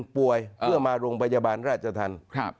ป่วยเพื่อมาโรงพยาบาลราชธรรม